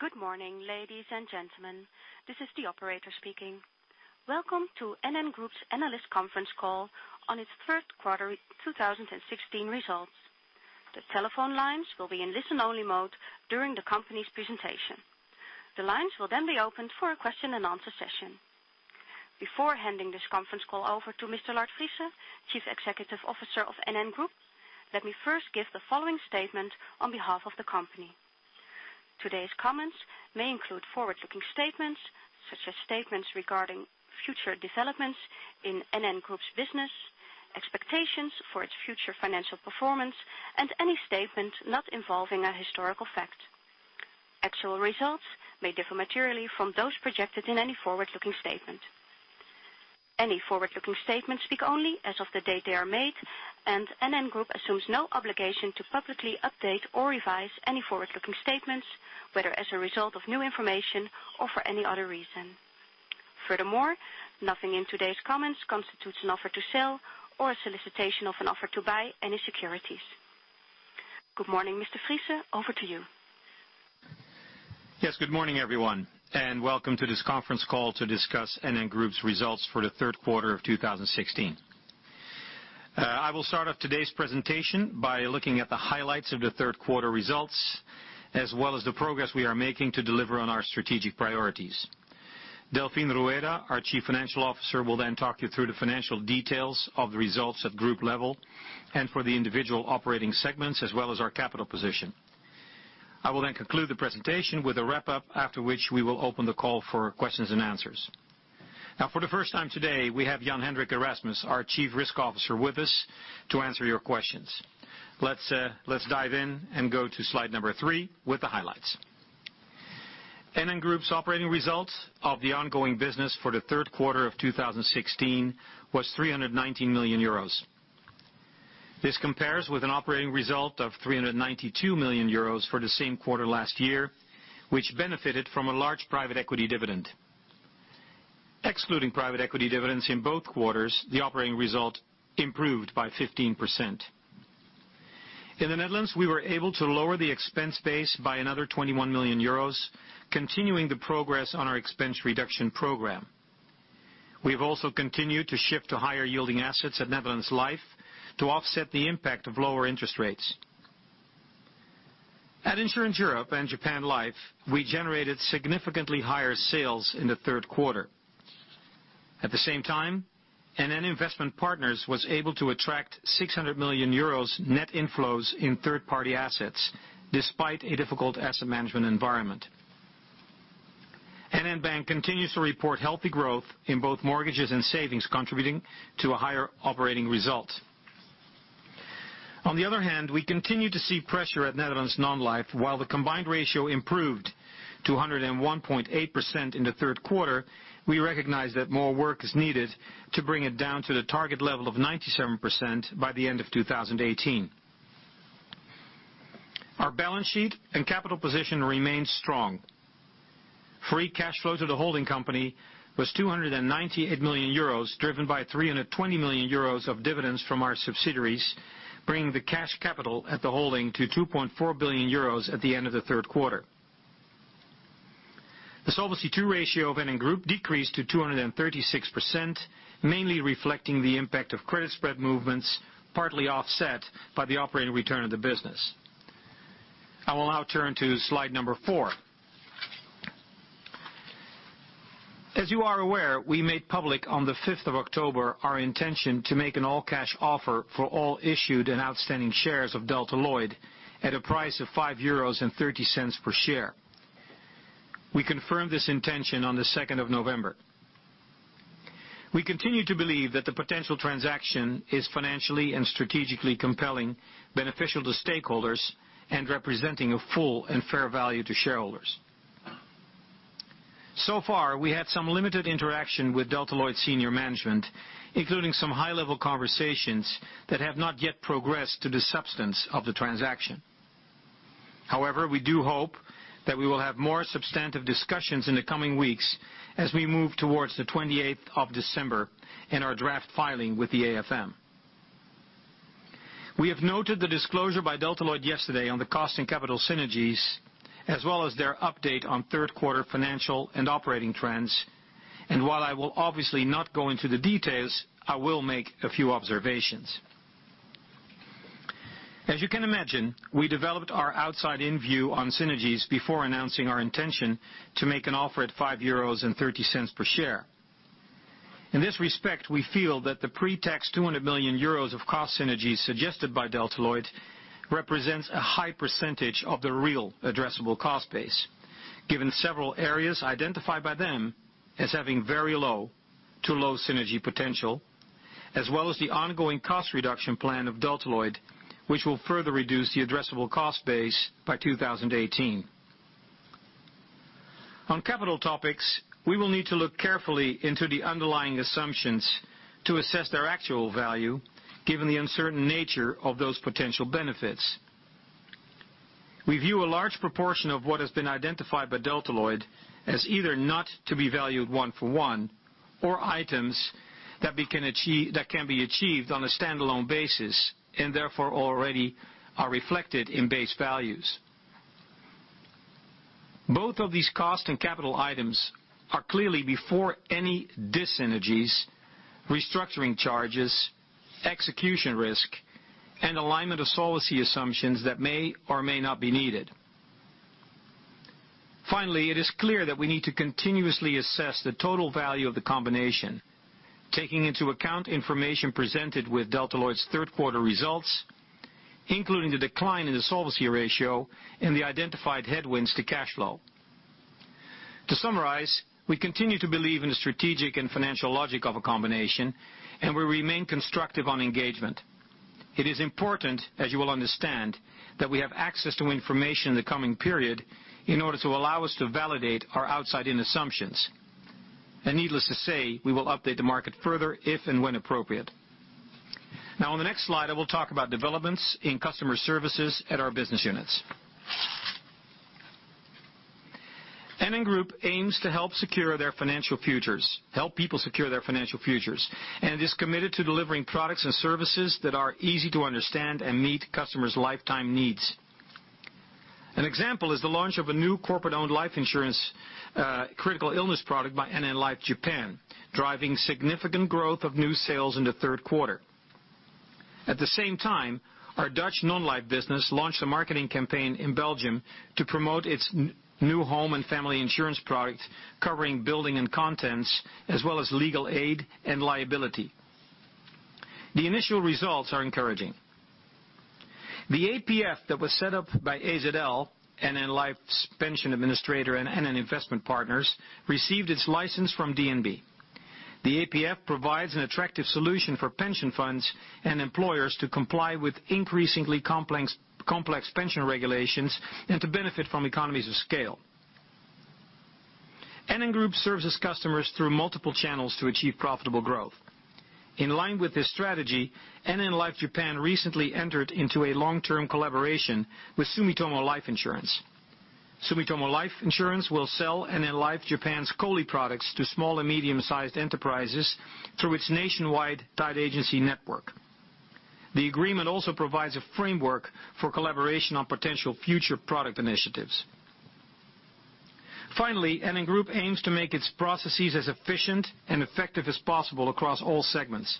Good morning, ladies and gentlemen. This is the operator speaking. Welcome to NN Group's analyst conference call on its third quarter 2016 results. The telephone lines will be in listen-only mode during the company's presentation. The lines will then be opened for a question-and-answer session. Before handing this conference call over to Mr. Lard Friese, Chief Executive Officer of NN Group, let me first give the following statement on behalf of the company. Today's comments may include forward-looking statements such as statements regarding future developments in NN Group's business, expectations for its future financial performance, and any statement not involving a historical fact. Actual results may differ materially from those projected in any forward-looking statement. Any forward-looking statements speak only as of the date they are made, and NN Group assumes no obligation to publicly update or revise any forward-looking statements, whether as a result of new information or for any other reason. Furthermore, nothing in today's comments constitutes an offer to sell or a solicitation of an offer to buy any securities. Good morning, Mr. Friese. Over to you. Yes, good morning, everyone, and welcome to this conference call to discuss NN Group's results for the third quarter of 2016. I will start off today's presentation by looking at the highlights of the third quarter results, as well as the progress we are making to deliver on our strategic priorities. Delfin Rueda, our Chief Financial Officer, will then talk you through the financial details of the results at group level and for the individual operating segments, as well as our capital position. I will then conclude the presentation with a wrap-up after which we will open the call for questions and answers. Now for the first time today, we have Jan-Hendrik Erasmus, our Chief Risk Officer, with us to answer your questions. Let's dive in and go to slide number three with the highlights. NN Group's operating results of the ongoing business for the third quarter of 2016 was 319 million euros. This compares with an operating result of 392 million euros for the same quarter last year, which benefited from a large private equity dividend. Excluding private equity dividends in both quarters, the operating result improved by 15%. In the Netherlands, we were able to lower the expense base by another 21 million euros, continuing the progress on our expense reduction program. We've also continued to shift to higher yielding assets at Netherlands Life to offset the impact of lower interest rates. At Insurance Europe and Japan Life, we generated significantly higher sales in the third quarter. At the same time, NN Investment Partners was able to attract 600 million euros net inflows in third-party assets, despite a difficult asset management environment. NN Bank continues to report healthy growth in both mortgages and savings, contributing to a higher operating result. On the other hand, we continue to see pressure at Netherlands Non-life. While the combined ratio improved to 101.8% in the third quarter, we recognize that more work is needed to bring it down to the target level of 97% by the end of 2018. Our balance sheet and capital position remains strong. Free cash flow to the holding company was 298 million euros, driven by 320 million euros of dividends from our subsidiaries, bringing the cash capital at the holding to 2.4 billion euros at the end of the third quarter. The Solvency II ratio of NN Group decreased to 236%, mainly reflecting the impact of credit spread movements, partly offset by the operating return of the business. I will now turn to slide number four. As you are aware, we made public on the 5th of October our intention to make an all-cash offer for all issued and outstanding shares of Delta Lloyd at a price of 5.30 euros per share. We confirmed this intention on the 2nd of November. We continue to believe that the potential transaction is financially and strategically compelling, beneficial to stakeholders, and representing a full and fair value to shareholders. So far, we had some limited interaction with Delta Lloyd senior management, including some high-level conversations that have not yet progressed to the substance of the transaction. However, we do hope that we will have more substantive discussions in the coming weeks as we move towards the 28th of December in our draft filing with the AFM. We have noted the disclosure by Delta Lloyd yesterday on the cost and capital synergies, as well as their update on third quarter financial and operating trends. While I will obviously not go into the details, I will make a few observations. As you can imagine, we developed our outside-in view on synergies before announcing our intention to make an offer at 5.30 euros per share. In this respect, we feel that the pre-tax 200 million euros of cost synergies suggested by Delta Lloyd represents a high percentage of the real addressable cost base, given several areas identified by them as having very low to low synergy potential, as well as the ongoing cost reduction plan of Delta Lloyd, which will further reduce the addressable cost base by 2018. On capital topics, we will need to look carefully into the underlying assumptions to assess their actual value, given the uncertain nature of those potential benefits. We view a large proportion of what has been identified by Delta Lloyd as either not to be valued one for one or items that can be achieved on a standalone basis and therefore already are reflected in base values. Both of these cost and capital items are clearly before any dis-synergies, restructuring charges, execution risk, and alignment of solvency assumptions that may or may not be needed. Finally, it is clear that we need to continuously assess the total value of the combination, taking into account information presented with Delta Lloyd's third quarter results, including the decline in the solvency ratio and the identified headwinds to cash flow. To summarize, we continue to believe in the strategic and financial logic of a combination. We remain constructive on engagement. It is important, as you will understand, that we have access to information in the coming period in order to allow us to validate our outside in assumptions. Needless to say, we will update the market further if and when appropriate. In the next slide, I will talk about developments in customer services at our business units. NN Group aims to help people secure their financial futures, and is committed to delivering products and services that are easy to understand and meet customers' lifetime needs. An example is the launch of a new corporate-owned life insurance, critical illness product by NN Life Japan, driving significant growth of new sales in the third quarter. At the same time, our Dutch non-life business launched a marketing campaign in Belgium to promote its new home and family insurance product covering building and contents, as well as legal aid and liability. The initial results are encouraging. The APF that was set up by AZL, NN Life's pension administrator, and NN Investment Partners, received its license from DNB. The APF provides an attractive solution for pension funds and employers to comply with increasingly complex pension regulations and to benefit from economies of scale. NN Group services customers through multiple channels to achieve profitable growth. In line with this strategy, NN Life Japan recently entered into a long-term collaboration with Sumitomo Life Insurance. Sumitomo Life Insurance will sell NN Life Japan's COLI products to small and medium-sized enterprises through its nationwide tied agency network. The agreement also provides a framework for collaboration on potential future product initiatives. NN Group aims to make its processes as efficient and effective as possible across all segments.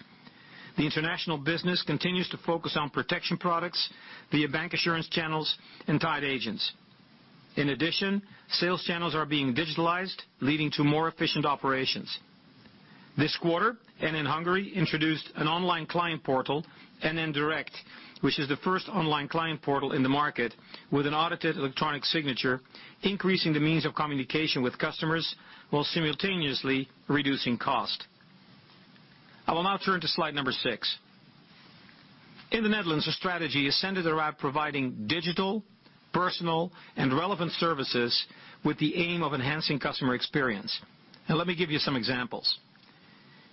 The international business continues to focus on protection products via bank insurance channels and tied agents. Sales channels are being digitalized, leading to more efficient operations. This quarter, NN Hungary introduced an online client portal, NN Direct, which is the first online client portal in the market with an audited electronic signature, increasing the means of communication with customers while simultaneously reducing cost. I will now turn to slide number six. In the Netherlands, the strategy is centered around providing digital, personal, and relevant services with the aim of enhancing customer experience. Let me give you some examples.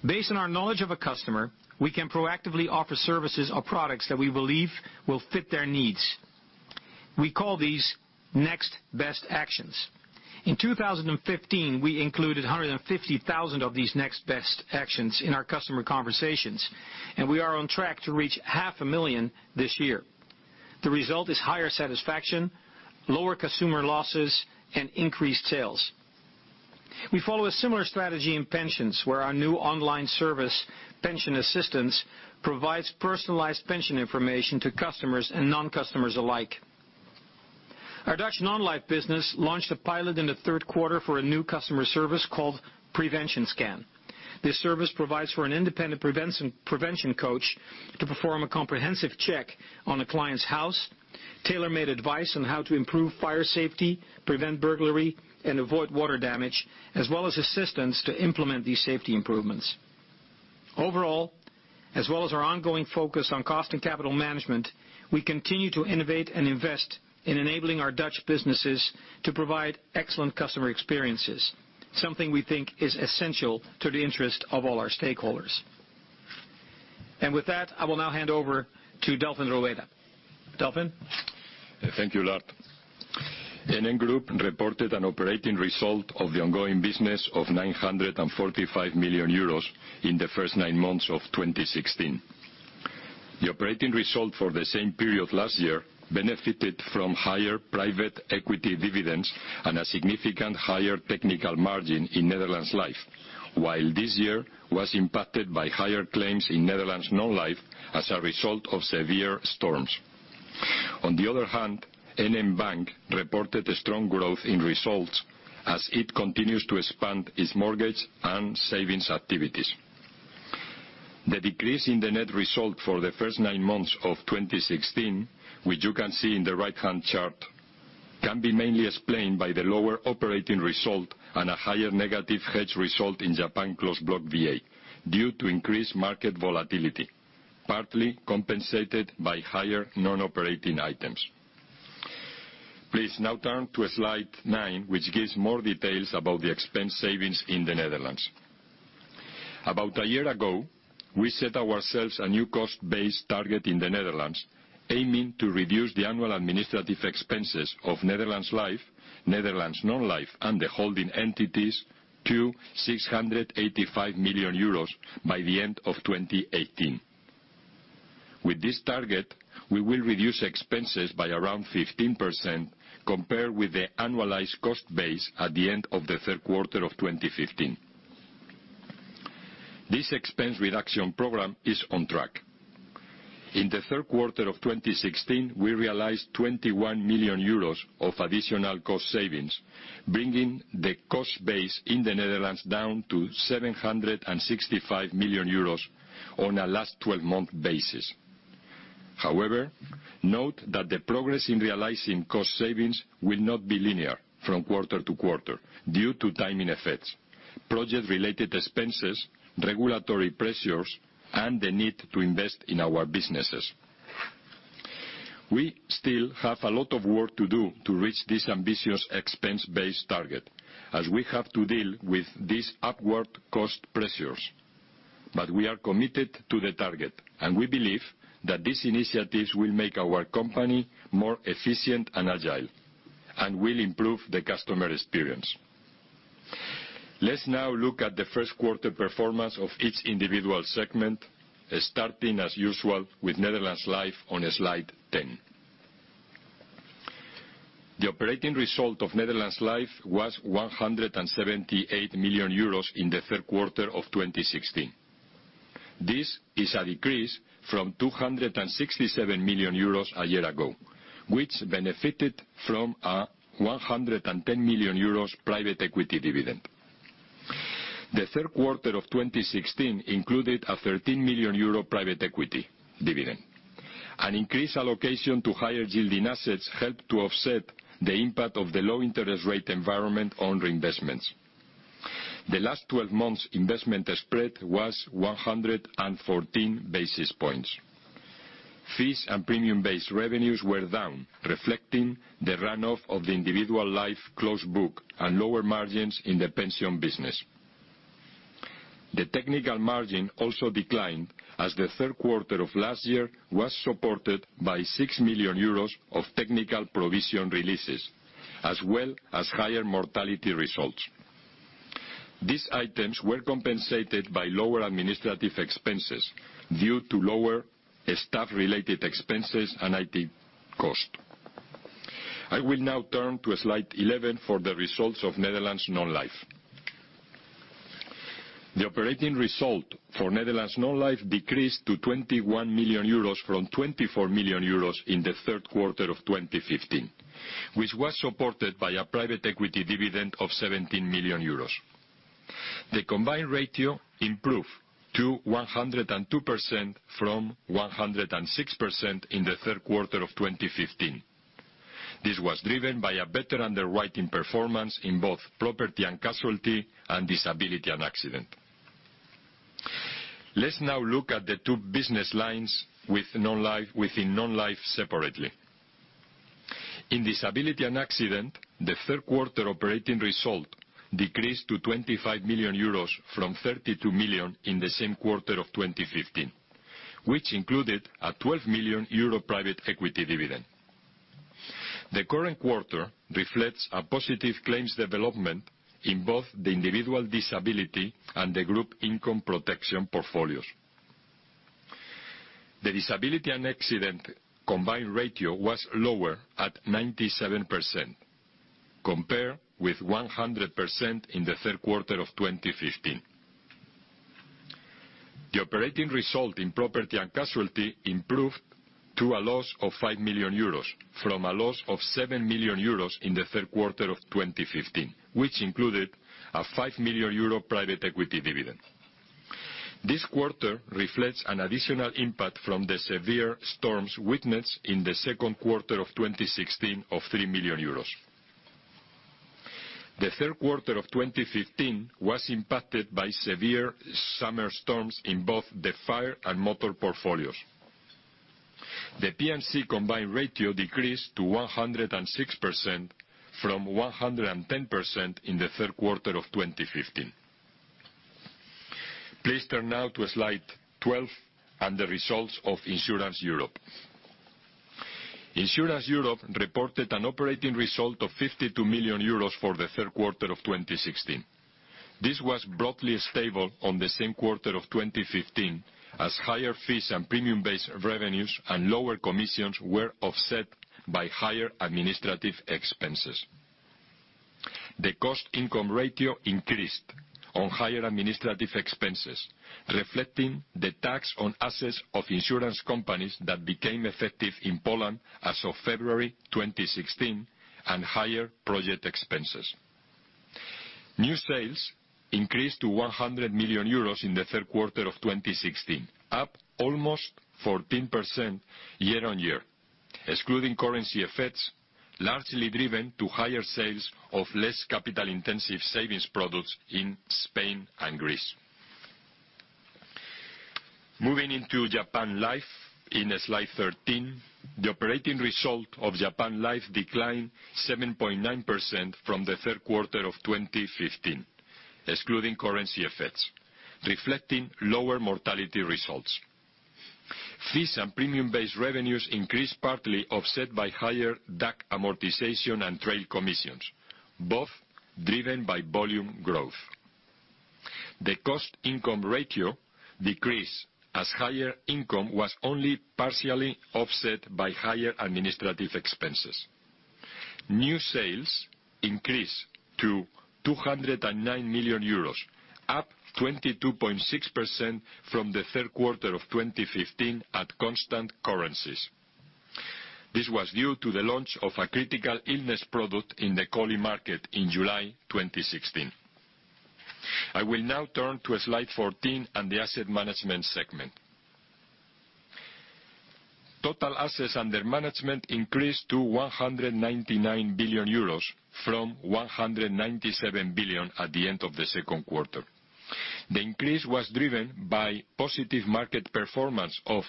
Based on our knowledge of a customer, we can proactively offer services or products that we believe will fit their needs. We call these next best actions. In 2015, we included 150,000 of these next best actions in our customer conversations. We are on track to reach half a million this year. The result is higher satisfaction, lower consumer losses, and increased sales. We follow a similar strategy in pensions, where our new online service, Pension Assistance, provides personalized pension information to customers and non-customers alike. Our Dutch non-life business launched a pilot in the third quarter for a new customer service called Prevention Scan. This service provides for an independent prevention coach to perform a comprehensive check on a client's house, tailor-made advice on how to improve fire safety, prevent burglary, and avoid water damage, as well as assistance to implement these safety improvements. As well as our ongoing focus on cost and capital management, we continue to innovate and invest in enabling our Dutch businesses to provide excellent customer experiences. Something we think is essential to the interest of all our stakeholders. With that, I will now hand over to Delfin Rueda. Delfin? Thank you, Lard. NN Group reported an operating result of the ongoing business of 945 million euros in the first nine months of 2016. The operating result for the same period last year benefited from higher private equity dividends and a significantly higher technical margin in Netherlands Life. While this year was impacted by higher claims in Netherlands Non-life as a result of severe storms. On the other hand, NN Bank reported a strong growth in results as it continues to expand its mortgage and savings activities. The decrease in the net result for the first nine months of 2016, which you can see in the right-hand chart, can be mainly explained by the lower operating result and a higher negative hedge result in Japan Closed Block VA, due to increased market volatility, partly compensated by higher non-operating items. Please now turn to slide nine, which gives more details about the expense savings in the Netherlands. About a year ago, we set ourselves a new cost-based target in the Netherlands, aiming to reduce the annual administrative expenses of Netherlands Life, Netherlands Non-life, and the holding entities to 685 million euros by the end of 2018. With this target, we will reduce expenses by around 15% compared with the annualized cost base at the end of the third quarter of 2015. This expense reduction program is on track. In the third quarter of 2016, we realized 21 million euros of additional cost savings, bringing the cost base in the Netherlands down to 765 million euros on a last 12-month basis. However, note that the progress in realizing cost savings will not be linear from quarter to quarter due to timing effects, project-related expenses, regulatory pressures, and the need to invest in our businesses. We still have a lot of work to do to reach this ambitious expense-based target, as we have to deal with these upward cost pressures. We are committed to the target, and we believe that these initiatives will make our company more efficient and agile, and will improve the customer experience. Let's now look at the first quarter performance of each individual segment, starting, as usual, with Netherlands Life on slide 10. The operating result of Netherlands Life was 178 million euros in the third quarter of 2016. This is a decrease from 267 million euros a year ago, which benefited from a 110 million euros private equity dividend. The third quarter of 2016 included a 13 million euro private equity dividend. An increased allocation to higher-yielding assets helped to offset the impact of the low interest rate environment on reinvestments. The last 12 months investment spread was 114 basis points. Fees and premium-based revenues were down, reflecting the run-off of the individual life closed book and lower margins in the pension business. The technical margin also declined as the third quarter of last year was supported by 6 million euros of technical provision releases, as well as higher mortality results. These items were compensated by lower administrative expenses due to lower staff-related expenses and IT cost. I will now turn to slide 11 for the results of Netherlands Non-life. The operating result for Netherlands Non-life decreased to 21 million euros from 24 million euros in the third quarter of 2015, which was supported by a private equity dividend of 17 million euros. The combined ratio improved to 102% from 106% in the third quarter of 2015. This was driven by a better underwriting performance in both property and casualty, and disability and accident. Let's now look at the two business lines within Non-life separately. In disability and accident, the third quarter operating result decreased to 25 million euros from 32 million in the same quarter of 2015, which included a 12 million euro private equity dividend. The current quarter reflects a positive claims development in both the individual disability and the group income protection portfolios. The disability and accident combined ratio was lower at 97%, compared with 100% in the third quarter of 2015. The operating result in property and casualty improved to a loss of 5 million euros from a loss of 7 million euros in the third quarter of 2015, which included a 5 million euro private equity dividend. This quarter reflects an additional impact from the severe storms witnessed in the second quarter of 2016 of 3 million euros. The third quarter of 2015 was impacted by severe summer storms in both the fire and motor portfolios. The P&C combined ratio decreased to 106% from 110% in the third quarter of 2015. Please turn now to slide 12 and the results of Insurance Europe. Insurance Europe reported an operating result of 52 million euros for the third quarter of 2016. This was broadly stable on the same quarter of 2015, as higher fees and premium-based revenues and lower commissions were offset by higher administrative expenses. The cost income ratio increased on higher administrative expenses, reflecting the tax on assets of insurance companies that became effective in Poland as of February 2016, and higher project expenses. New sales increased to 100 million euros in the third quarter of 2016, up almost 14% year-on-year, excluding currency effects, largely driven to higher sales of less capital-intensive savings products in Spain and Greece. Moving into Japan Life in slide 13. The operating result of Japan Life declined 7.9% from the third quarter of 2015, excluding currency effects, reflecting lower mortality results. Fees and premium-based revenues increased, partly offset by higher DAC amortization and trade commissions, both driven by volume growth. The cost income ratio decreased as higher income was only partially offset by higher administrative expenses. New sales increased to 209 million euros, up 22.6% from the third quarter of 2015 at constant currencies. This was due to the launch of a critical illness product in the COLI market in July 2016. I will now turn to slide 14 and the asset management segment. Total assets under management increased to 199 billion euros from 197 billion at the end of the second quarter. The increase was driven by positive market performance of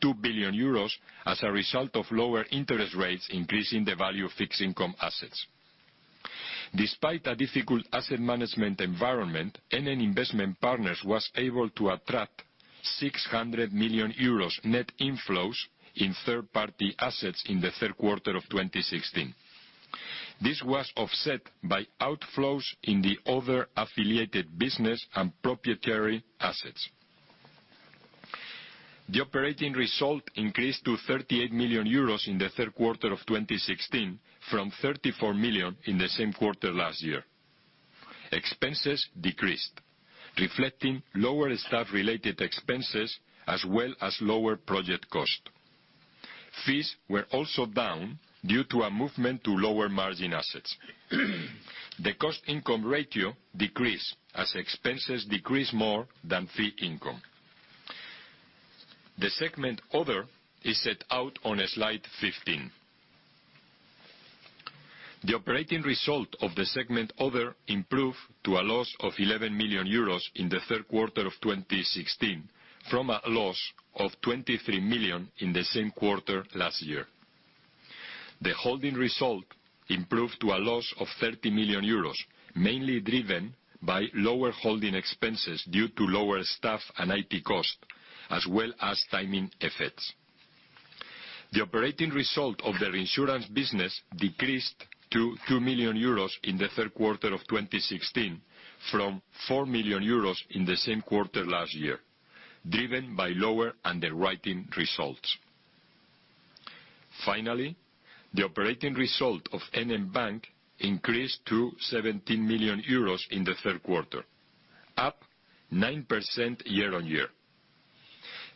2 billion euros as a result of lower interest rates increasing the value of fixed income assets. Despite a difficult asset management environment, NN Investment Partners was able to attract 600 million euros net inflows in third-party assets in the third quarter of 2016. This was offset by outflows in the other affiliated business and proprietary assets. The operating result increased to 38 million euros in the third quarter of 2016 from 34 million in the same quarter last year. Expenses decreased, reflecting lower staff related expenses, as well as lower project cost. Fees were also down due to a movement to lower margin assets. The cost income ratio decreased as expenses decreased more than fee income. The segment other is set out on slide 15. The operating result of the segment other improved to a loss of 11 million euros in the third quarter of 2016 from a loss of 23 million in the same quarter last year. The holding result improved to a loss of 30 million euros, mainly driven by lower holding expenses due to lower staff and IT costs, as well as timing effects. The operating result of the reinsurance business decreased to 2 million euros in the third quarter of 2016 from 4 million euros in the same quarter last year, driven by lower underwriting results. Finally, the operating result of NN Bank increased to 17 million euros in the third quarter, up 9% year-on-year.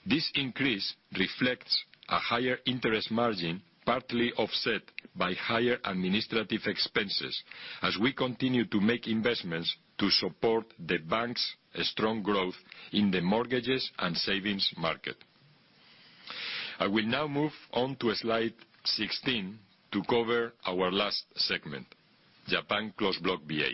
This increase reflects a higher interest margin, partly offset by higher administrative expenses as we continue to make investments to support the bank's strong growth in the mortgages and savings market. I will now move on to slide 16 to cover our last segment, Japan Closed Block VA.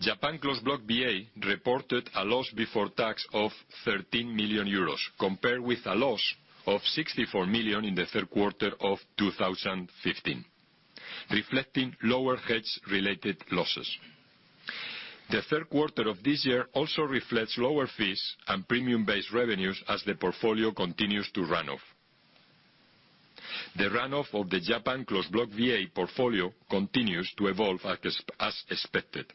Japan Closed Block VA reported a loss before tax of 13 million euros, compared with a loss of 64 million in the third quarter of 2015, reflecting lower hedge related losses. The third quarter of this year also reflects lower fees and premium-based revenues as the portfolio continues to run off. The run off of the Japan Closed Block VA portfolio continues to evolve as expected.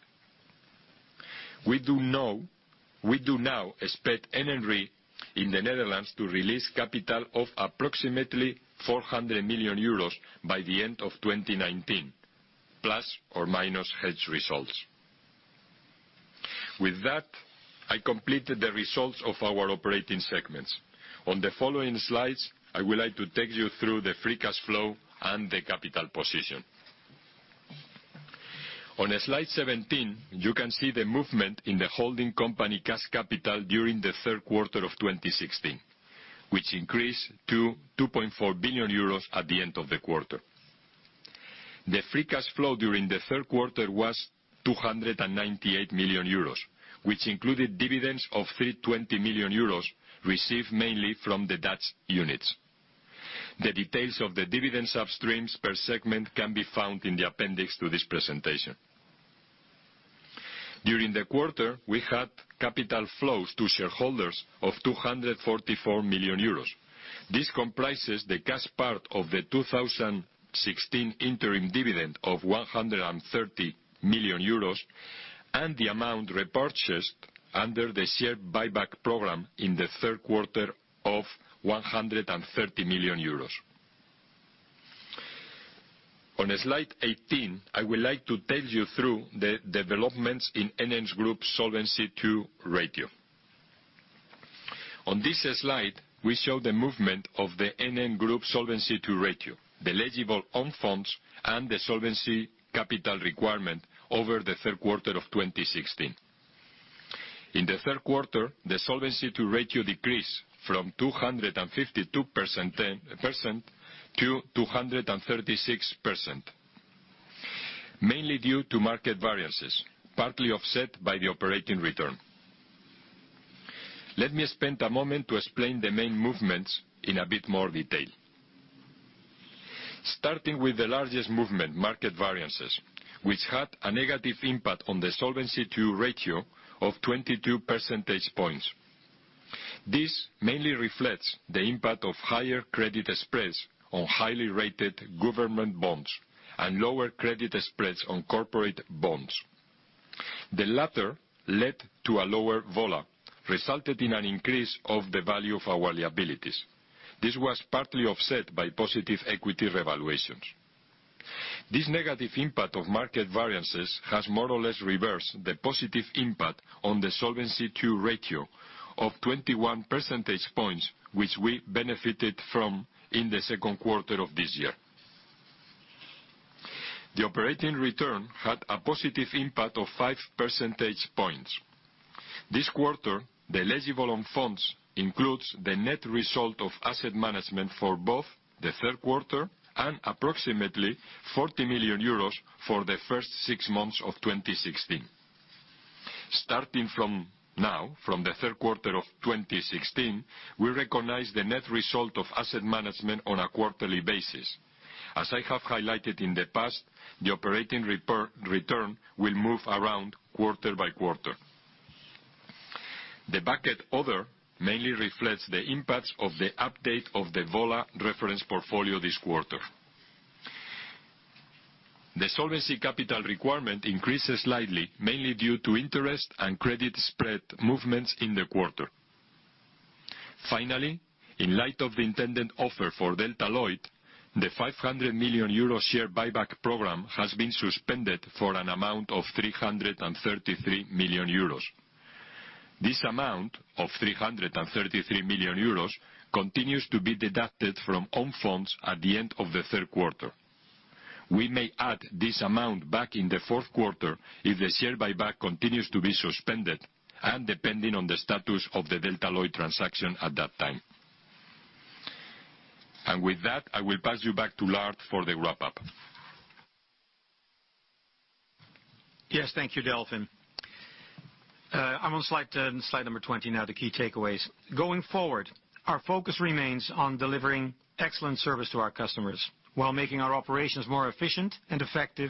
We do now expect NN Re in the Netherlands to release capital of approximately 400 million euros by the end of 2019, ± hedge results. With that, I completed the results of our operating segments. On the following slides, I would like to take you through the free cash flow and the capital position. On slide 17, you can see the movement in the holding company cash capital during the third quarter of 2016, which increased to 2.4 billion euros at the end of the quarter. The free cash flow during the third quarter was 298 million euros, which included dividends of 320 million euros received mainly from the Dutch units. The details of the dividend substreams per segment can be found in the appendix to this presentation. During the quarter, we had capital flows to shareholders of 244 million euros. This comprises the cash part of the 2016 interim dividend of 130 million euros and the amount repurchased under the share buyback program in the third quarter of 130 million euros. On slide 18, I would like to take you through the developments in NN Group Solvency II ratio. On this slide, we show the movement of the NN Group Solvency II ratio, the eligible own funds, and the solvency capital requirement over the third quarter of 2016. In the third quarter, the Solvency II ratio decreased from 252% to 236%, mainly due to market variances, partly offset by the operating return. Let me spend a moment to explain the main movements in a bit more detail. Starting with the largest movement, market variances, which had a negative impact on the Solvency II ratio of 22 percentage points. This mainly reflects the impact of higher credit spreads on highly rated government bonds and lower credit spreads on corporate bonds. The latter led to a lower VA, resulted in an increase of the value of our liabilities. This was partly offset by positive equity revaluations. This negative impact of market variances has more or less reversed the positive impact on the Solvency II ratio of 21 percentage points, which we benefited from in the second quarter of this year. The operating return had a positive impact of five percentage points. This quarter, the eligible own funds includes the net result of asset management for both the third quarter and approximately 40 million euros for the first six months of 2016. Starting from now, from the third quarter of 2016, we recognize the net result of asset management on a quarterly basis. As I have highlighted in the past, the operating return will move around quarter by quarter. The bucket other mainly reflects the impacts of the update of the VA reference portfolio this quarter. The solvency capital requirement increases slightly, mainly due to interest and credit spread movements in the quarter. Finally, in light of the intended offer for Delta Lloyd, the 500 million euro share buyback program has been suspended for an amount of 333 million euros. This amount of 333 million euros continues to be deducted from own funds at the end of the third quarter. We may add this amount back in the fourth quarter if the share buyback continues to be suspended and depending on the status of the Delta Lloyd transaction at that time. With that, I will pass you back to Lard for the wrap-up. Yes, thank you, Delfin. I'm on slide number 20 now, the key takeaways. Going forward, our focus remains on delivering excellent service to our customers while making our operations more efficient and effective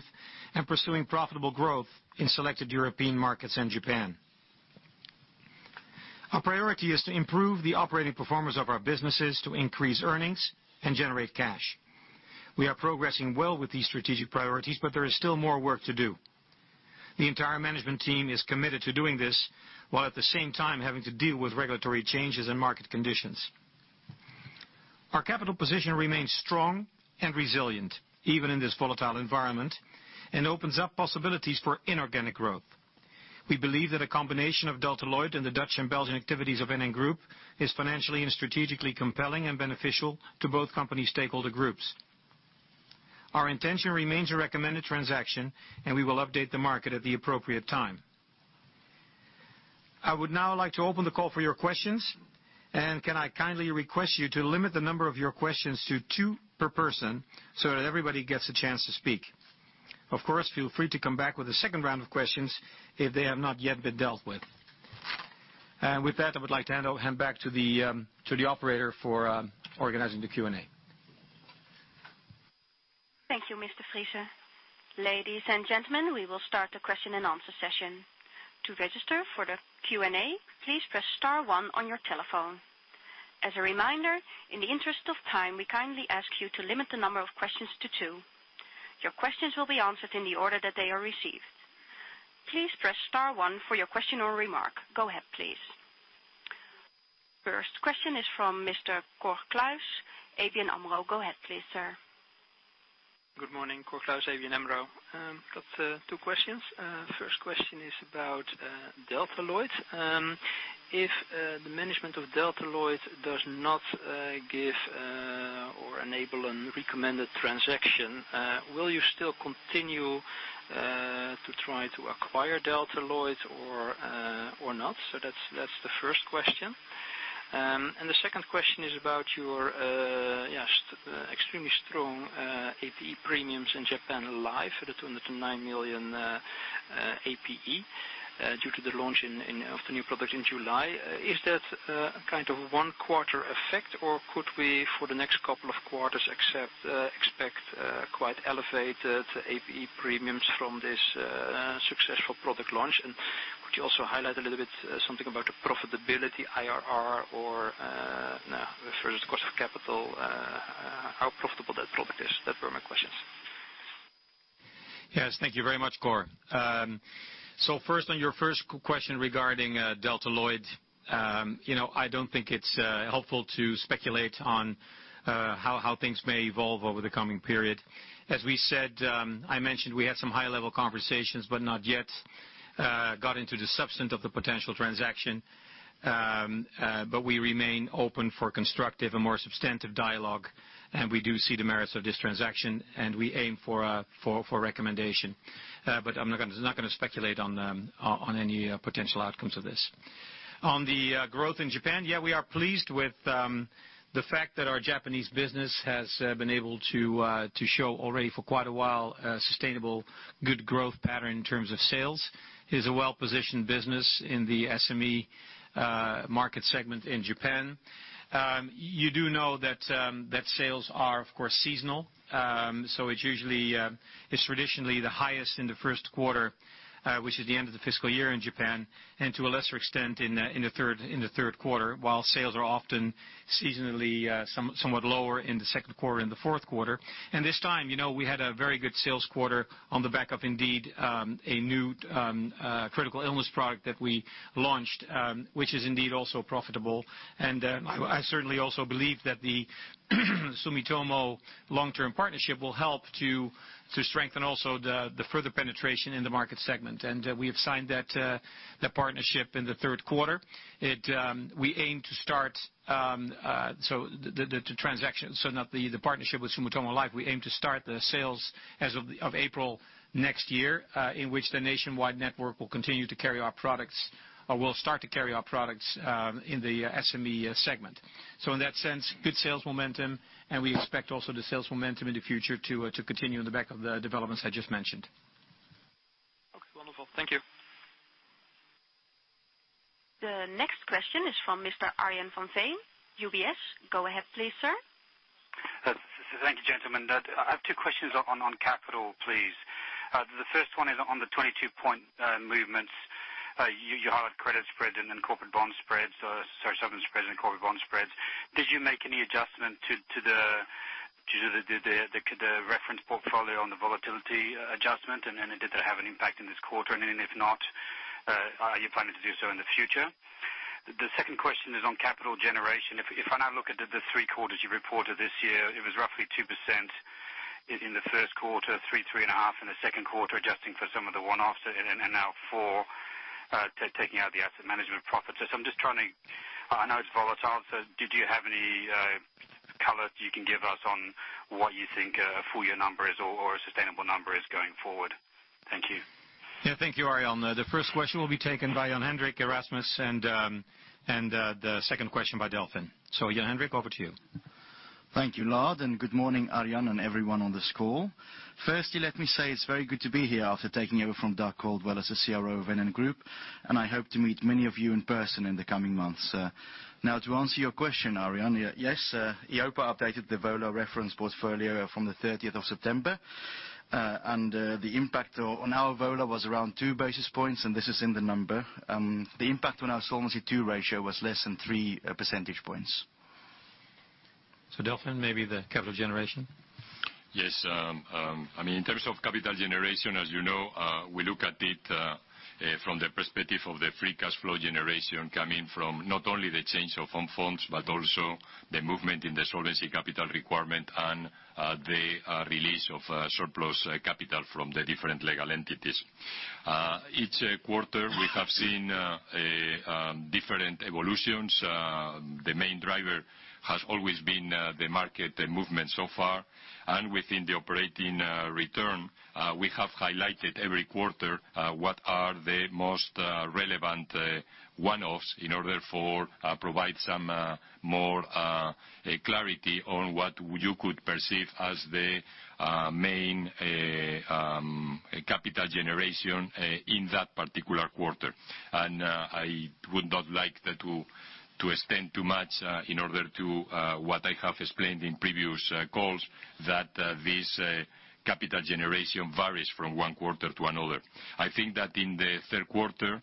and pursuing profitable growth in selected European markets and Japan. Our priority is to improve the operating performance of our businesses to increase earnings and generate cash. We are progressing well with these strategic priorities, there is still more work to do. The entire management team is committed to doing this, while at the same time having to deal with regulatory changes in market conditions. Our capital position remains strong and resilient, even in this volatile environment, and opens up possibilities for inorganic growth. We believe that a combination of Delta Lloyd and the Dutch and Belgian activities of NN Group is financially and strategically compelling and beneficial to both company stakeholder groups. Our intention remains a recommended transaction. We will update the market at the appropriate time. I would now like to open the call for your questions. Can I kindly request you to limit the number of your questions to two per person so that everybody gets a chance to speak. Of course, feel free to come back with a second round of questions if they have not yet been dealt with. With that, I would like to hand back to the operator for organizing the Q&A. Thank you, Mr. Friese. Ladies and gentlemen, we will start the question and answer session. To register for the Q&A, please press star one on your telephone. As a reminder, in the interest of time, we kindly ask you to limit the number of questions to two. Your questions will be answered in the order that they are received. Please press star one for your question or remark. Go ahead, please. First question is from Mr. Cor Kluis, ABN AMRO. Go ahead please, sir. Good morning, Cor Kluis, ABN AMRO. Got two questions. First question is about Delta Lloyd. If the management of Delta Lloyd does not give or enable a recommended transaction, will you still continue to try to acquire Delta Lloyd or not? That's the first question. The second question is about your extremely strong APE premiums in Japan Life for the 209 million APE due to the launch of the new product in July. Is that a kind of one quarter effect, or could we, for the next couple of quarters, expect quite elevated APE premiums from this successful product launch? Could you also highlight a little bit something about the profitability IRR or referred cost of capital, how profitable that product is? That were my questions. Yes. Thank you very much, Cor. First, on your first question regarding Delta Lloyd. I don't think it's helpful to speculate on how things may evolve over the coming period. As we said, I mentioned we had some high-level conversations, but not yet got into the substance of the potential transaction. We remain open for constructive and more substantive dialogue. We do see the merits of this transaction. We aim for recommendation. I'm not going to speculate on any potential outcomes of this. On the growth in Japan, yeah, we are pleased with the fact that our Japanese business has been able to show already for quite a while, a sustainable good growth pattern in terms of sales. It is a well-positioned business in the SME market segment in Japan. You do know that sales are, of course, seasonal. It is traditionally the highest in the first quarter, which is the end of the fiscal year in Japan, and to a lesser extent in the third quarter, while sales are often seasonally somewhat lower in the second quarter and the fourth quarter. This time, we had a very good sales quarter on the back of indeed, a new critical illness product that we launched, which is indeed also profitable. I certainly also believe that the Sumitomo long-term partnership will help to strengthen also the further penetration in the market segment. We have signed the partnership in the third quarter. We aim to start the partnership with Sumitomo Life. We aim to start the sales as of April next year, in which the nationwide network will continue to carry our products, or will start to carry our products, in the SME segment. In that sense, good sales momentum, and we expect also the sales momentum in the future to continue on the back of the developments I just mentioned. Okay, wonderful. Thank you. The next question is from Mr. Arjan van Veen, UBS. Go ahead, please, sir. Thank you, gentlemen. I have two questions on capital, please. The first one is on the 22 point movements. You highlighted credit spreads and then sovereign spreads and corporate bond spreads. Did you make any adjustment to the reference portfolio on the volatility adjustment, and then did that have an impact in this quarter? If not, are you planning to do so in the future? The second question is on capital generation. If I now look at the 3 quarters you reported this year, it was roughly 2% in the first quarter, 3%, 3.5% in the second quarter, adjusting for some of the one-offs, and now 4%, taking out the asset management profit. I know it's volatile, so did you have any color you can give us on what you think a full year number is or a sustainable number is going forward? Thank you. Thank you, Arjan. The first question will be taken by Jan-Hendrik Erasmus, and the second question by Delfin. Jan-Hendrik, over to you. Thank you, Lard, and good morning, Arjan and everyone on this call. Firstly, let me say it's very good to be here after taking over from Doug Caldwell as the CRO of NN Group, and I hope to meet many of you in person in the coming months. To answer your question, Arjan, yes, EIOPA updated the VA reference portfolio from the 30th of September. The impact on our VA was around two basis points, and this is in the number. The impact on our Solvency II ratio was less than three percentage points. Delfin, maybe the capital generation? Yes. In terms of capital generation, as you know, we look at it from the perspective of the free cash flow generation coming from not only the change of fund forms, but also the movement in the Solvency Capital Requirement and the release of surplus capital from the different legal entities. Each quarter, we have seen different evolutions. The main driver has always been the market movement so far. Within the operating return, we have highlighted every quarter what are the most relevant one-offs in order to provide some more clarity on what you could perceive as the main capital generation in that particular quarter. I would not like to extend too much in order to what I have explained in previous calls that this capital generation varies from one quarter to another. I think that in the third quarter,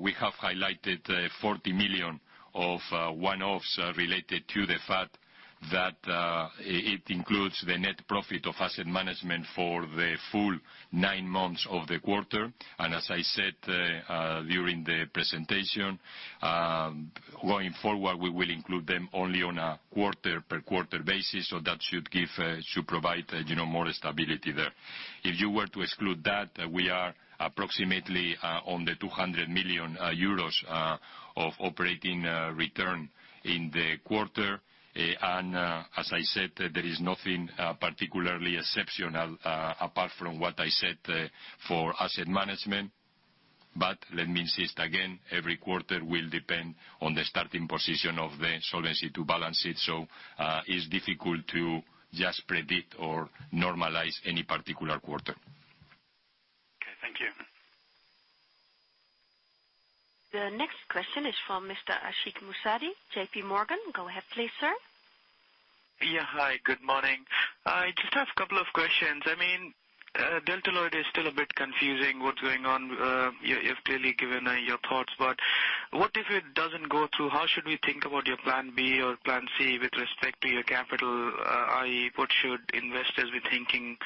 we have highlighted 40 million of one-offs related to the fact that it includes the net profit of asset management for the full nine months of the quarter. As I said during the presentation, going forward, we will include them only on a quarter-per-quarter basis. That should provide more stability there. If you were to exclude that, we are approximately on the 200 million euros of operating return in the quarter. As I said, there is nothing particularly exceptional apart from what I said for asset management. Let me insist again, every quarter will depend on the starting position of the Solvency II balance sheet. It's difficult to just predict or normalize any particular quarter. Okay, thank you. The next question is from Mr. Ashik Musaddi, JPMorgan. Go ahead, please, sir. Yeah. Hi, good morning. I just have a couple of questions. Delta Lloyd is still a bit confusing, what's going on. You've clearly given your thoughts, but what if it doesn't go through? How should we think about your plan B or plan C with respect to your capital? I.e., what should investors be thinking?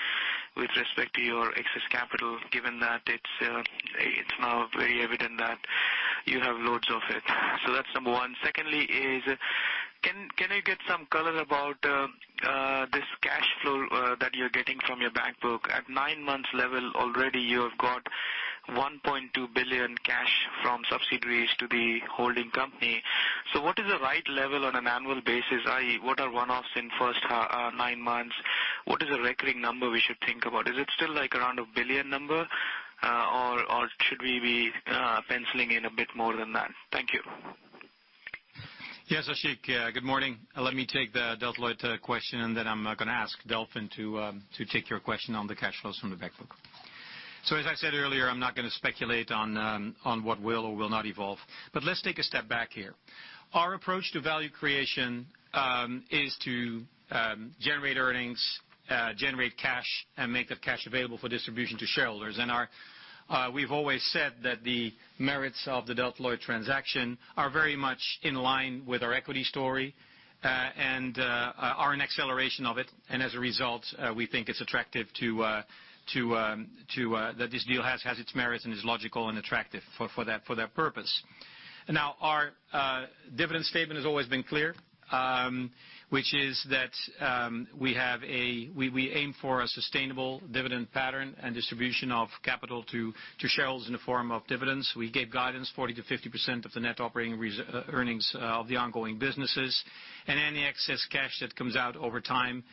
With respect to your excess capital, given that it's now very evident that you have loads of it. That's number one. Secondly is, can I get some color about this cash flow that you're getting from your back book. At nine months level already, you have got 1.2 billion cash from subsidiaries to the holding company. What is the right level on an annual basis? I.e., what are one-offs in first nine months? What is a recurring number we should think about? Is it still around a billion number, or should we be penciling in a bit more than that? Thank you. Yes, Ashik, good morning. Let me take the Delta Lloyd question, and then I'm going to ask Delfin to take your question on the cash flows from the back book. As I said earlier, I'm not going to speculate on what will or will not evolve. Let's take a step back here. Our approach to value creation is to generate earnings, generate cash, and make that cash available for distribution to shareholders. We've always said that the merits of the Delta Lloyd transaction are very much in line with our equity story, and are an acceleration of it. As a result, we think that this deal has its merits and is logical and attractive for that purpose. Now, our dividend statement has always been clear, which is that we aim for a sustainable dividend pattern and distribution of capital to shareholders in the form of dividends. We gave guidance 40%-50% of the net operating earnings of the ongoing businesses. Any excess cash that comes out over time,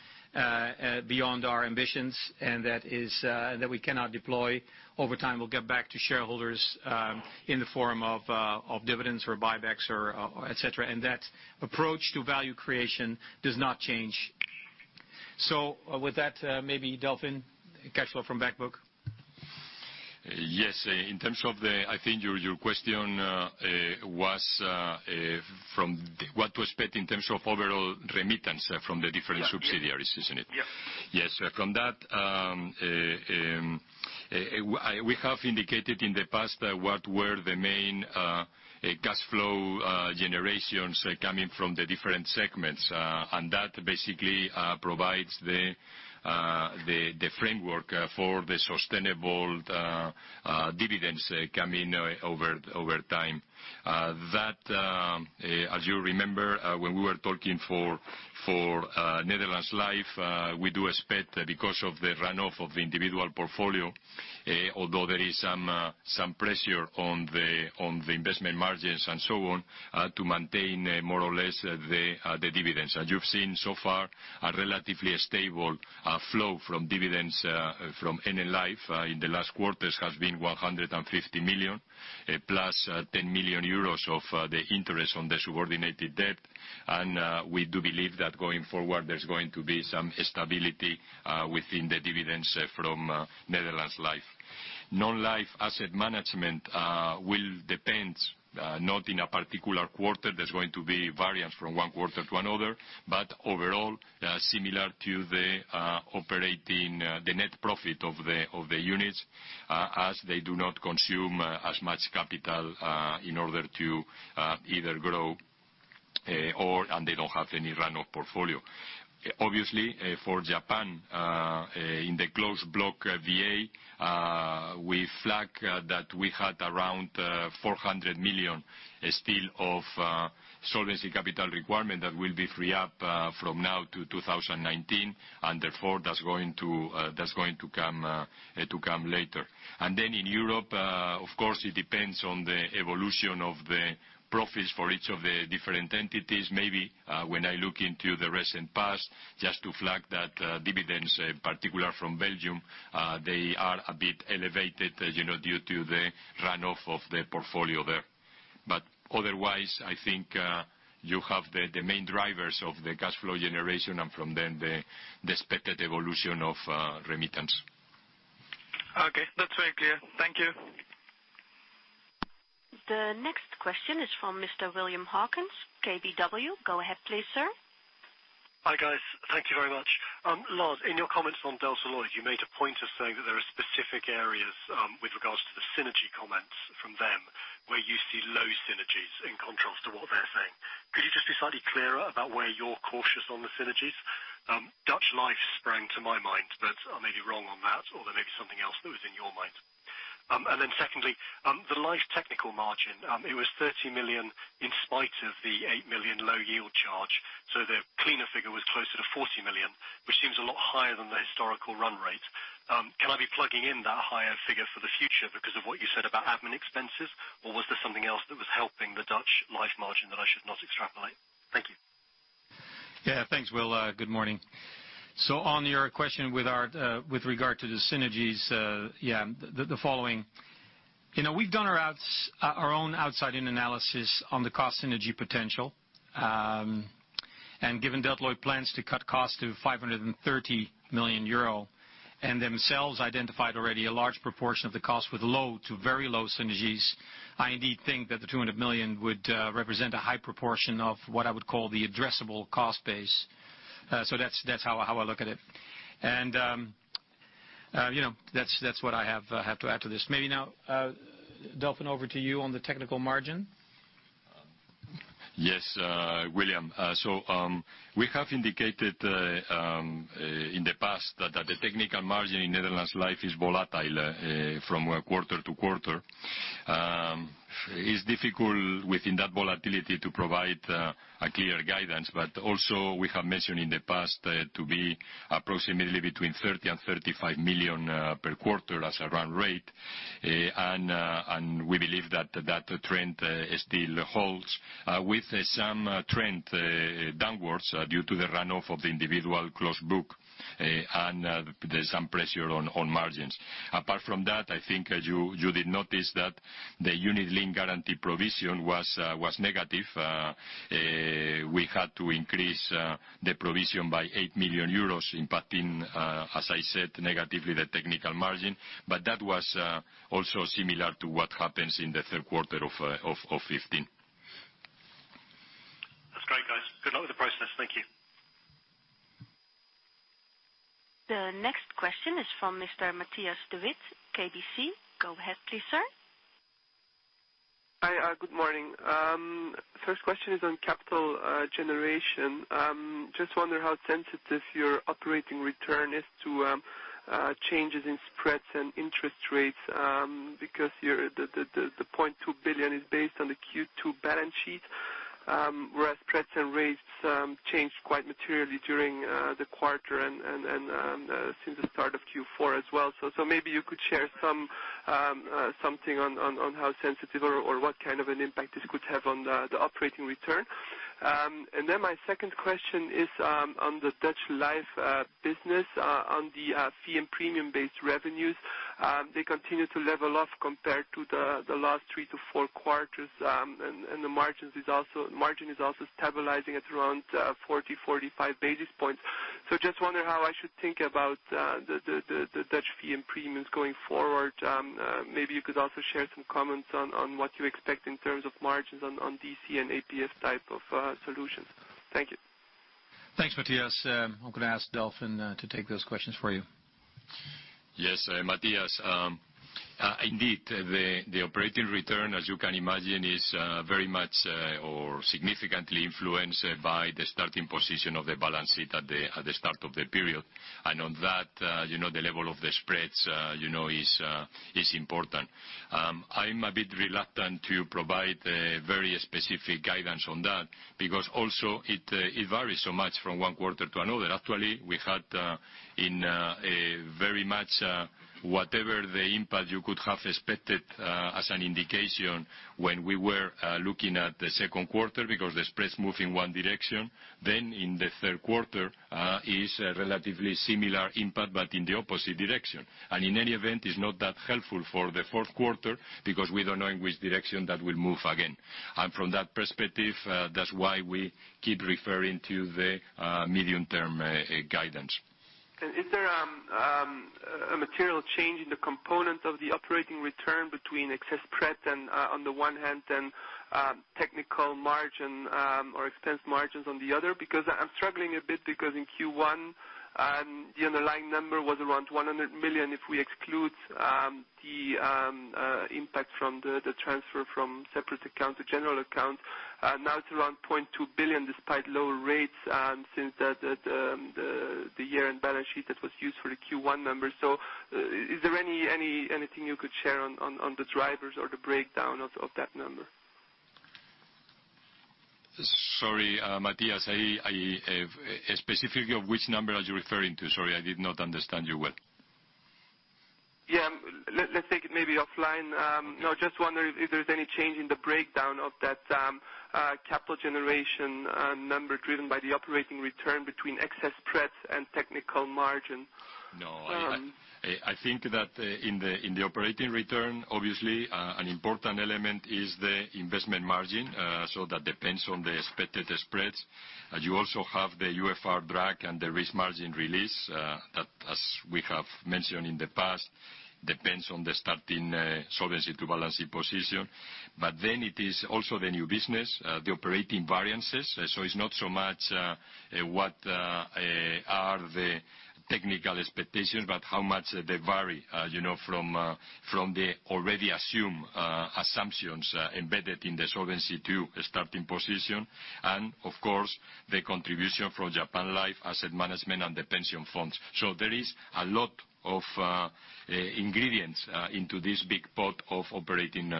beyond our ambitions and that we cannot deploy over time, we will get back to shareholders in the form of dividends or buybacks, et cetera. That approach to value creation does not change. With that, maybe Delfin, cash flow from back book. Yes. I think your question was from what to expect in terms of overall remittance from the different subsidiaries, isn't it? Yes. Yes. From that, we have indicated in the past what were the main cash flow generations coming from the different segments. That basically provides the framework for the sustainable dividends coming over time. That as you remember, when we were talking for Netherlands Life, we do expect because of the run-off of individual portfolio, although there is some pressure on the investment margins and so on, to maintain more or less the dividends. As you have seen so far, a relatively stable flow from dividends from NN Life in the last quarters has been 150 million, plus 10 million euros of the interest on the subordinated debt. We do believe that going forward, there is going to be some stability within the dividends from Netherlands Life. Non-life asset management will depend, not in a particular quarter, there is going to be variance from one quarter to another, but overall, similar to the net profit of the units, as they do not consume as much capital, in order to either grow or, and they don't have any run-off portfolio. Obviously, for Japan, in the Japan Closed Block VA, we flag that we had around 400 million still of solvency capital requirement that will be free up from now to 2019, therefore that is going to come later. Then in Europe, of course, it depends on the evolution of the profits for each of the different entities. Maybe when I look into the recent past, just to flag that dividends, particular from Belgium, they are a bit elevated due to the run-off of the portfolio there. otherwise, I think, you have the main drivers of the cash flow generation and from then the expected evolution of remittance. Okay. That's very clear. Thank you. The next question is from Mr. William Hawkins, KBW. Go ahead please, sir. Hi, guys. Thank you very much. Lard, in your comments on Delta Lloyd, you made a point of saying that there are specific areas, with regards to the synergy comments from them, where you see low synergies in contrast to what they're saying. Could you just be slightly clearer about where you're cautious on the synergies? Netherlands Life sprang to my mind, I may be wrong on that, or there may be something else that was in your mind. Secondly, the Life technical margin. It was 30 million in spite of the 8 million low yield charge. The cleaner figure was closer to 40 million, which seems a lot higher than the historical run rate. Can I be plugging in that higher figure for the future because of what you said about admin expenses? Was there something else that was helping the Netherlands Life margin that I should not extrapolate? Thank you. Thanks, William. Good morning. On your question with regard to the synergies. The following. We've done our own outside-in analysis on the cost synergy potential. Given Delta Lloyd plans to cut cost to 530 million euro, themselves identified already a large proportion of the cost with low to very low synergies. I indeed think that the 200 million would represent a high proportion of what I would call the addressable cost base. That's how I look at it. That's what I have to add to this. Maybe now, Delfin, over to you on the technical margin. Yes, William. We have indicated in the past that the technical margin in Netherlands Life is volatile from quarter to quarter. It's difficult within that volatility to provide a clear guidance, but also we have mentioned in the past to be approximately between 30 million and 35 million per quarter as a run rate. We believe that trend still holds with some trend downwards due to the runoff of the individual closed book. There's some pressure on margins. Apart from that, I think as you did notice that the unit-linked guarantee provision was negative. We had to increase the provision by 8 million euros, impacting, as I said, negatively the technical margin. That was also similar to what happens in the third quarter of 2015. That's great, guys. Good luck with the process. Thank you. The next question is from Mr. Matthias de Wit, KBC. Go ahead please, sir. Hi. Good morning. First question is on capital generation. Just wonder how sensitive your operating return is to changes in spreads and interest rates, because the 2.2 billion is based on the Q2 balance sheet, whereas spreads and rates changed quite materially during the quarter and since the start of Q4 as well. Maybe you could share something on how sensitive or what kind of an impact this could have on the operating return. My second question is on the Netherlands Life business. On the fee and premium-based revenues, they continue to level off compared to the last three to four quarters. The margin is also stabilizing at around 40, 45 basis points. Just wonder how I should think about the Dutch fee and premiums going forward. Maybe you could also share some comments on what you expect in terms of margins on DC and APF type of solutions. Thank you. Thanks, Matthias. I'm going to ask Delfin to take those questions for you. Yes, Matthias, indeed, the operating return, as you can imagine, is very much or significantly influenced by the starting position of the balance sheet at the start of the period. On that, the level of the spreads is important. I'm a bit reluctant to provide very specific guidance on that because also it varies so much from one quarter to another. Actually, we had in very much whatever the impact you could have expected as an indication when we were looking at the second quarter because the spreads move in one direction. Then in the third quarter is a relatively similar impact, but in the opposite direction. In any event, it's not that helpful for the fourth quarter because we don't know in which direction that will move again. From that perspective, that's why we keep referring to the medium-term guidance. Is there a material change in the component of the operating return between excess spread on the one hand and technical margin or expense margins on the other? I'm struggling a bit because in Q1, the underlying number was around 100 million if we exclude the impact from the transfer from separate account to general account. Now it's around 2.2 billion despite lower rates since the year-end balance sheet that was used for the Q1 numbers. Is there anything you could share on the drivers or the breakdown of that number? Sorry, Matthias. Specifically, which number are you referring to? Sorry, I did not understand you well. Yeah. Let's take it maybe offline. Okay. Just wondering if there's any change in the breakdown of that capital generation number driven by the operating return between excess spreads and technical margin. I think that in the operating return, obviously, an important element is the investment margin. That depends on the expected spreads. You also have the UFR drag and the risk margin release, that, as we have mentioned in the past, depends on the starting Solvency II balance sheet position. It is also the new business, the operating variances. It's not so much what are the technical expectations, but how much they vary from the already assumed assumptions embedded in the Solvency II starting position. Of course, the contribution from Japan Life Asset Management and the pension funds. There is a lot of ingredients into this big pot of operating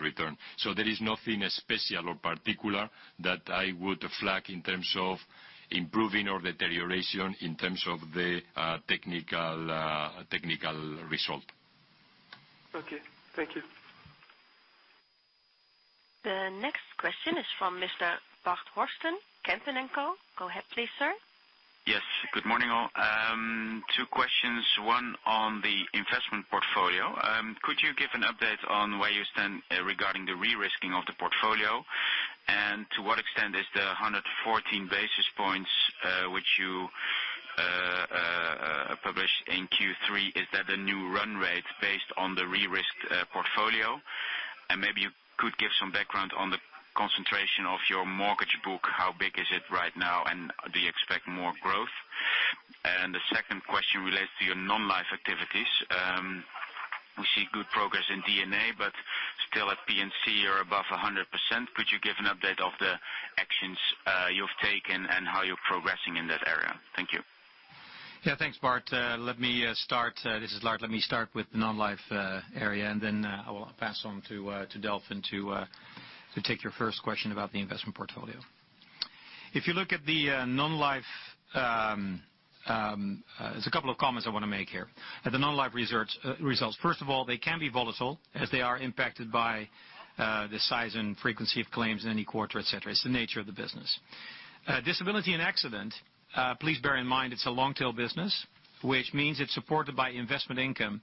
return. There is nothing special or particular that I would flag in terms of improving or deterioration in terms of the technical result. Okay. Thank you. The next question is from Mr. Bart Horsten, Kempen & Co. Go ahead please, sir. Yes. Good morning, all. Two questions. One on the investment portfolio. Could you give an update on where you stand regarding the re-risking of the portfolio? To what extent is the 114 basis points, which you published in Q3, is that the new run rate based on the re-risked portfolio? Maybe you could give some background on the concentration of your mortgage book. How big is it right now, and do you expect more growth? To your non-life activities. We see good progress in D&A, but still at P&C, you're above 100%. Could you give an update of the actions you've taken and how you're progressing in that area? Thank you. Yeah, thanks, Bart. This is Lars. Let me start with the non-life area, then I will pass on to Delfin to take your first question about the investment portfolio. If you look at the non-life, there's a couple of comments I want to make here. At the non-life results, first of all, they can be volatile, as they are impacted by the size and frequency of claims in any quarter, et cetera. It's the nature of the business. Disability and accident, please bear in mind, it's a long-tail business, which means it's supported by investment income.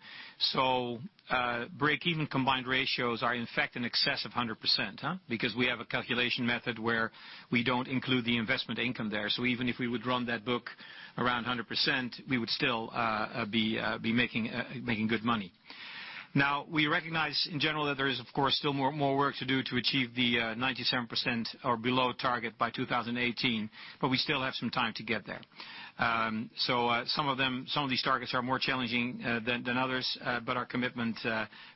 Breakeven combined ratios are, in fact, in excess of 100%, because we have a calculation method where we don't include the investment income there. Even if we would run that book around 100%, we would still be making good money. We recognize, in general, that there is, of course, still more work to do to achieve the 97% or below target by 2018, but we still have some time to get there. Some of these targets are more challenging than others, but our commitment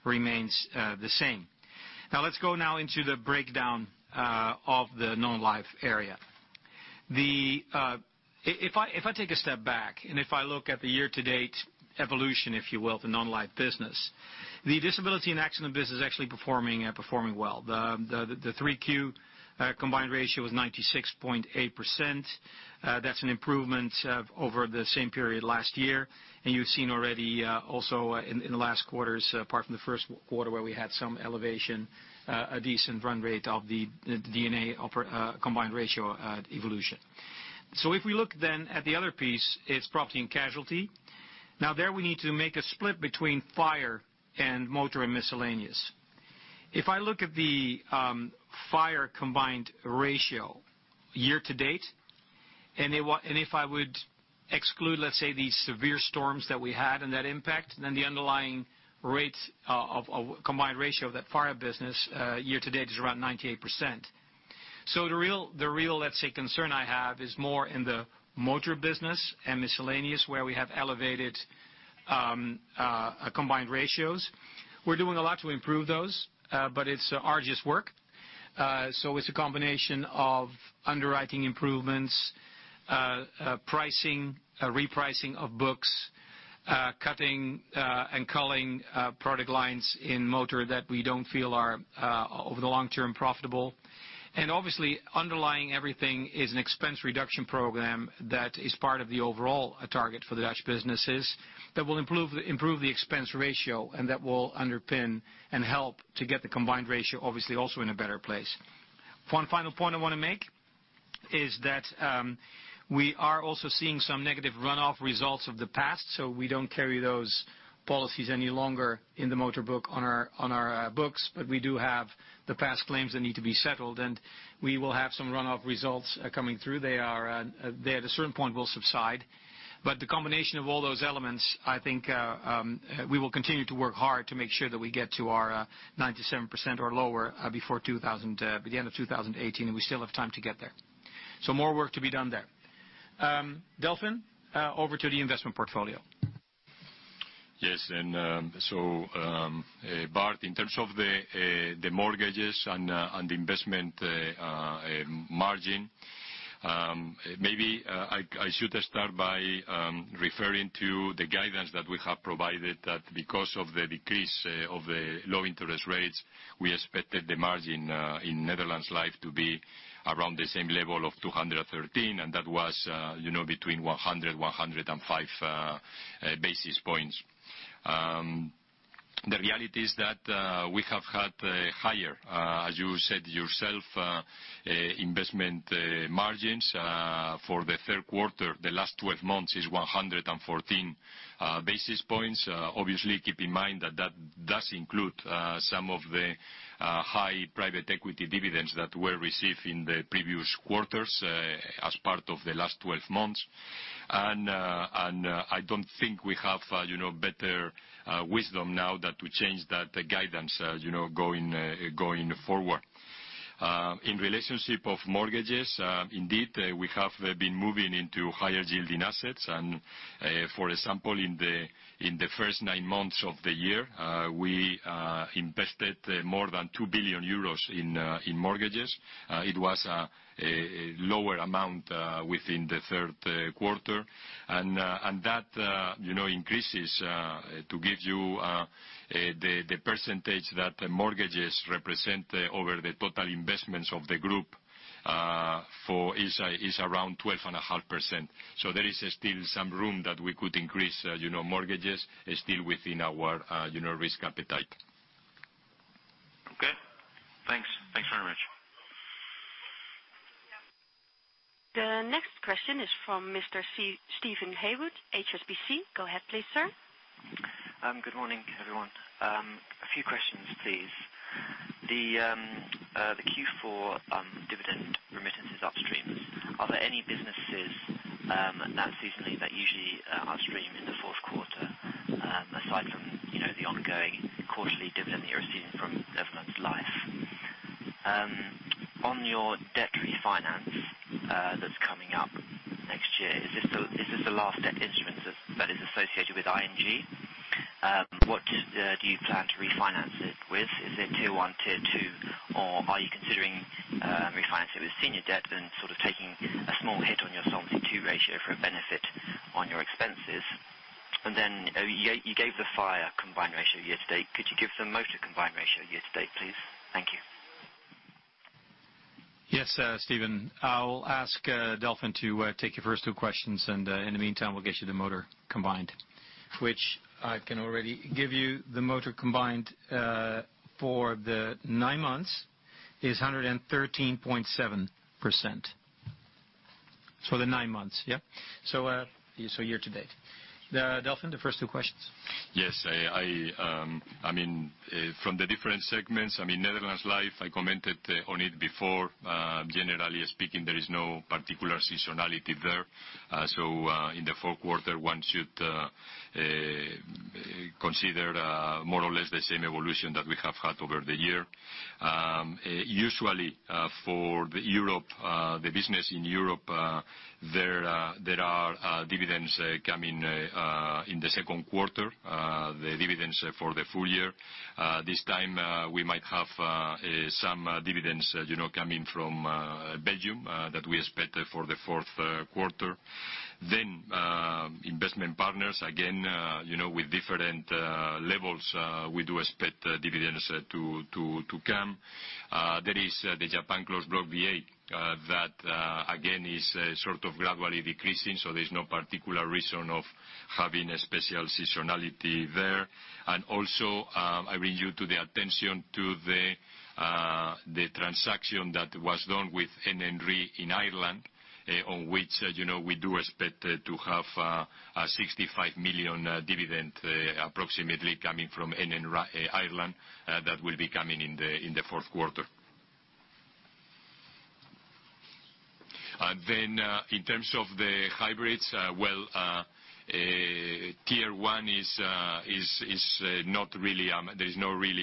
remains the same. Let's go now into the breakdown of the non-life area. If I take a step back, and if I look at the year-to-date evolution, if you will, the non-life business. The disability and accident business is actually performing well. The 3 Q combined ratio was 96.8%. That's an improvement over the same period last year. You've seen already also in the last quarters, apart from the first quarter, where we had some elevation, a decent run rate of the D&A combined ratio evolution. If we look then at the other piece, it's property and casualty. There we need to make a split between fire and motor and miscellaneous. If I look at the fire combined ratio year to date, and if I would exclude, let's say, the severe storms that we had and that impact, then the underlying rates of combined ratio of that fire business year to date is around 98%. The real, let's say, concern I have is more in the motor business and miscellaneous where we have elevated combined ratios. We're doing a lot to improve those, but it's arduous work. It's a combination of underwriting improvements, pricing, repricing of books, cutting and culling product lines in motor that we don't feel are, over the long term, profitable. Obviously, underlying everything is an expense reduction program that is part of the overall target for the Dutch businesses that will improve the expense ratio and that will underpin and help to get the combined ratio, obviously, also in a better place. One final point I want to make is that we are also seeing some negative runoff results of the past, so we don't carry those policies any longer in the motor book on our books. We do have the past claims that need to be settled, and we will have some runoff results coming through. They at a certain point will subside. The combination of all those elements, I think we will continue to work hard to make sure that we get to our 97% or lower by the end of 2018, and we still have time to get there. More work to be done there. Delfin, over to the investment portfolio. Yes. Bart, in terms of the mortgages and the investment margin, maybe I should start by referring to the guidance that we have provided that because of the decrease of the low interest rates, we expected the margin in Netherlands Life to be around the same level of 213, and that was between 100, 105 basis points. The reality is that we have had higher, as you said yourself, investment margins. For the third quarter, the last 12 months is 114 basis points. Obviously, keep in mind that does include some of the high private equity dividends that were received in the previous quarters as part of the last 12 months. I don't think we have better wisdom now that we change that guidance going forward. In relationship of mortgages, indeed, we have been moving into higher-yielding assets and, for example, in the first nine months of the year, we invested more than 2 billion euros in mortgages. It was a lower amount within the third quarter. That increases to give you the percentage that mortgages represent over the total investments of the group is around 12.5%. There is still some room that we could increase mortgages still within our risk appetite. Okay. Thanks. Thanks very much. The next question is from Mr. Steven Haywood, HSBC. Go ahead please, sir. Good morning, everyone. A few questions, please. The Q4 dividend remittance is upstream. Are there any businesses, not seasonally, that usually upstream in the fourth quarter, aside from the ongoing quarterly dividend you're receiving from Netherlands Life? On your debt refinance that's coming up next year, is this the last debt instrument that is associated with ING? What do you plan to refinance it with? Is it Tier 1, Tier 2, or are you considering refinancing with senior debt and sort of taking a small hit on your Solvency II ratio for a benefit on your expenses? You gave the FIRE combined ratio year-to-date. Could you give some motor combined ratio year-to-date, please? Thank you. Yes, Steven. I'll ask Delfin to take your first two questions. In the meantime, we'll get you the motor combined. Which I can already give you. The motor combined for the nine months is 113.7%. For the nine months. Yeah, year-to-date. Delfin, the first two questions. Yes. From the different segments, Netherlands Life, I commented on it before. Generally speaking, there is no particular seasonality there. In the fourth quarter, one should consider more or less the same evolution that we have had over the year. Usually, for the business in Europe, there are dividends coming in the second quarter, the dividends for the full year. This time, we might have some dividends coming from Belgium that we expect for the fourth quarter. Investment Partners, again, with different levels, we do expect dividends to come. There is the Japan Closed Block VA, that again, is sort of gradually decreasing, so there's no particular reason of having a special seasonality there. Also, I bring you the attention to the transaction that was done with NN Re in Ireland, on which we do expect to have a 65 million dividend approximately coming from Ireland that will be coming in the fourth quarter. In terms of the hybrids. Tier 1, there is not really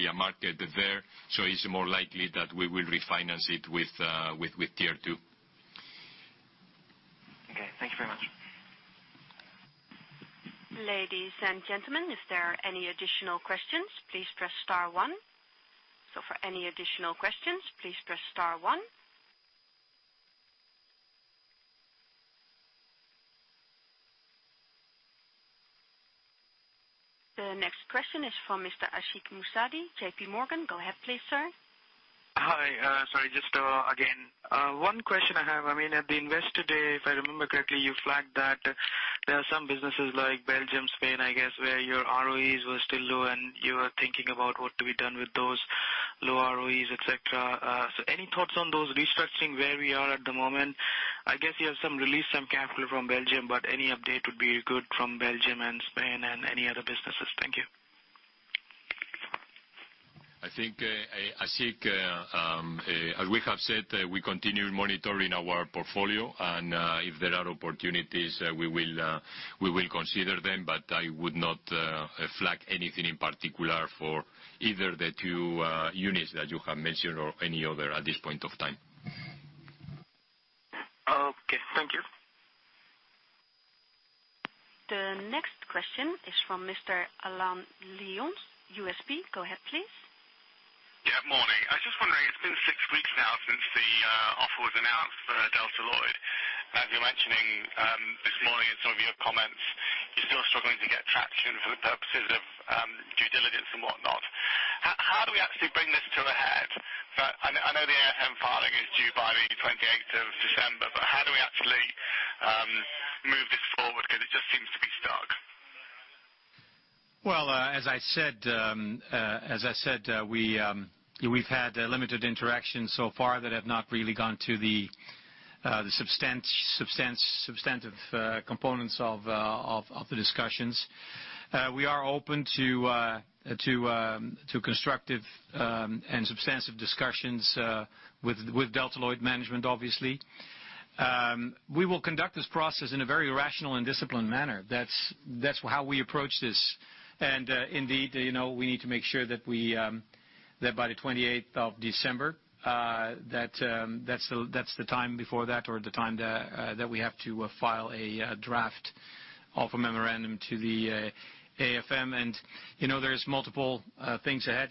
a market there, so it's more likely that we will refinance it with Tier 2. Thank you very much. Ladies and gentlemen, if there are any additional questions, please press star one. For any additional questions, please press star one. The next question is from Mr. Ashik Musaddi, JPMorgan. Go ahead please, sir. Hi. Sorry, just again, one question I have. At the investor day, if I remember correctly, you flagged that there are some businesses like Belgium, Spain, I guess, where your ROEs were still low, and you are thinking about what to be done with those low ROEs, et cetera. Any thoughts on those restructuring, where we are at the moment? I guess you have released some capital from Belgium, but any update would be good from Belgium and Spain and any other businesses. Thank you. I think, Ashik, as we have said, we continue monitoring our portfolio, and if there are opportunities, we will consider them, but I would not flag anything in particular for either the two units that you have mentioned or any other at this point of time. Okay. Thank you. The next question is from Mr. Alan Lyons, UBS. Go ahead, please. Yeah, morning. I was just wondering, it's been six weeks now since the offer was announced for Delta Lloyd. As you're mentioning this morning in some of your comments, you're still struggling to get traction for the purposes of due diligence and whatnot. How do we actually bring this to a head? I know the AFM filing is due by the 28th of December, how do we actually move this forward? Because it just seems to be stuck. Well, as I said, we've had limited interactions so far that have not really gone to the substantive components of the discussions. We are open to constructive and substantive discussions with Delta Lloyd management, obviously. We will conduct this process in a very rational and disciplined manner. That's how we approach this. Indeed, we need to make sure that by the 28th of December, that's the time before that or the time that we have to file a draft of a memorandum to the AFM. There's multiple things ahead.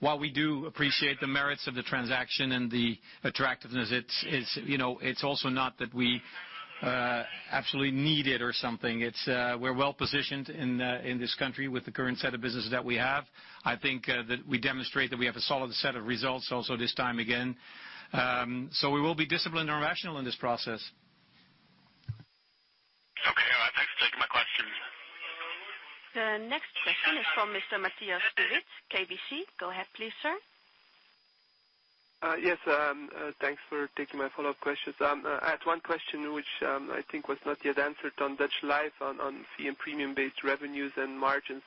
While we do appreciate the merits of the transaction and the attractiveness, it's also not that we absolutely need it or something. We're well-positioned in this country with the current set of businesses that we have. I think that we demonstrate that we have a solid set of results also this time again. We will be disciplined and rational in this process. Okay. All right. Thanks for taking my question. The next question is from Mr. Matthias de Wit, KBC. Go ahead please, sir. Yes. Thanks for taking my follow-up questions. I had one question, which I think was not yet answered on Netherlands Life on fee and premium-based revenues and margins.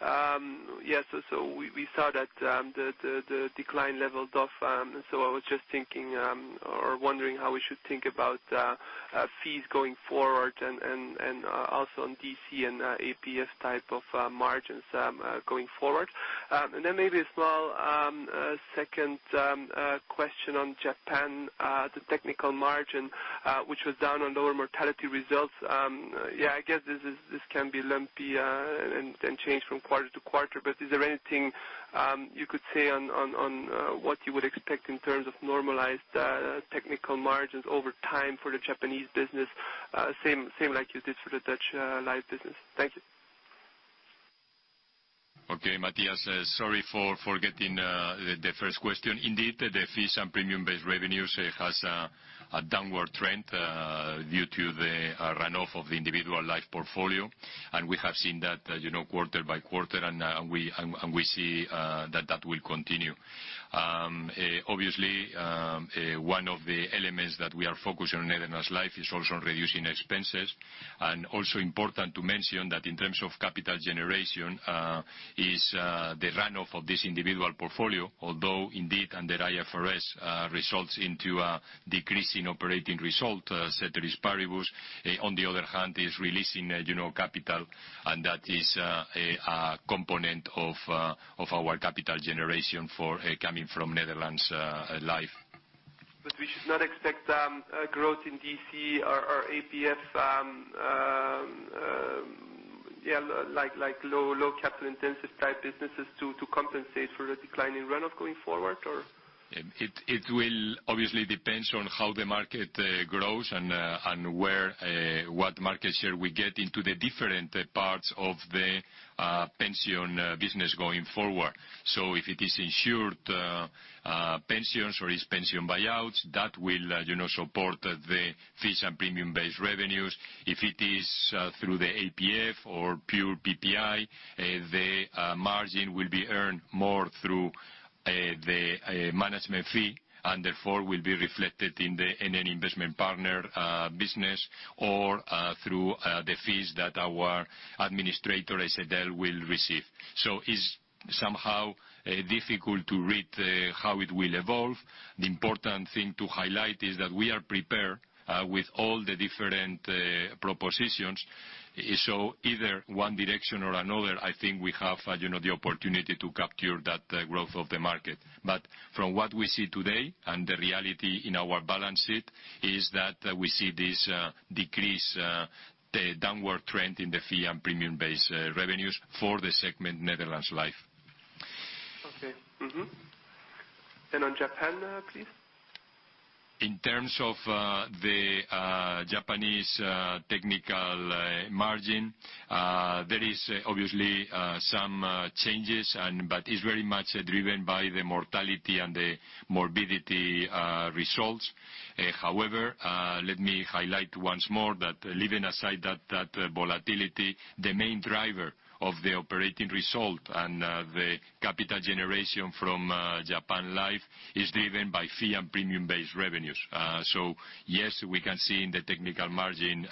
We saw that the decline leveled off. I was just thinking or wondering how we should think about fees going forward and also on DC and APF type of margins going forward. Then maybe a small second question on Japan, the technical margin, which was down on lower mortality results. I guess this can be lumpy and change from quarter to quarter, but is there anything you could say on what you would expect in terms of normalized technical margins over time for the Japanese business? Same like you did for the Netherlands Life business. Thank you. Okay, Matthias de Wit, sorry for forgetting the first question. Indeed, the fees and premium-based revenues has a downward trend due to the run-off of the individual Life portfolio. We have seen that quarter by quarter, and we see that will continue. Obviously, one of the elements that we are focused on in Netherlands Life is also on reducing expenses. Also important to mention that in terms of capital generation is the run-off of this individual portfolio, although indeed under IFRS, results into a decrease in operating result. Et cetera, the portfolio on the other hand, is releasing capital, and that is a component of our capital generation coming from Netherlands Life. We should not expect growth in DC or APF, like low capital intensive type businesses to compensate for the decline in run-off going forward? It will obviously depends on how the market grows and what market share we get into the different parts of the pension business going forward. If it is insured pensions or it's pension buyouts, that will support the fees and premium-based revenues. If it is through the APF or pure PPI, the margin will be earned more through the management fee, and therefore will be reflected in any investment partner business or through the fees that our administrator, AZL, will receive. It's somehow difficult to read how it will evolve. The important thing to highlight is that we are prepared with all the different propositions. Either one direction or another, I think we have the opportunity to capture that growth of the market. From what we see today, and the reality in our balance sheet, is that we see this decrease, the downward trend in the fee and premium-based revenues for the segment Netherlands Life. Okay. On Japan, please? In terms of the Japanese technical margin, there is obviously some changes, but it's very much driven by the mortality and the morbidity results. However, let me highlight once more that leaving aside that volatility, the main driver of the operating result and the capital generation from Japan Life is driven by fee and premium-based revenues. Yes, we can see in the technical margin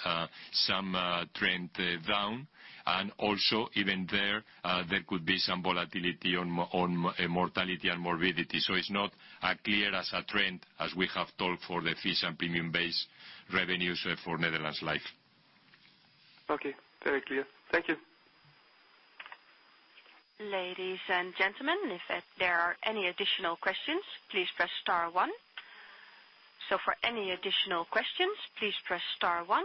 some trend down, and also even there could be some volatility on mortality and morbidity. It's not as clear as a trend as we have told for the fees and premium-based revenues for Netherlands Life. Okay. Very clear. Thank you. Ladies and gentlemen, if there are any additional questions, please press star one. For any additional questions, please press star one.